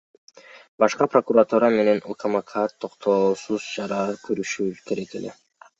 Башкы прокуратура менен УКМК токтоосуз чара көрүшү керек эле.